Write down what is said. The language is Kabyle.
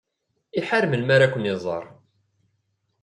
Iḥar melmi ara ken-iẓer.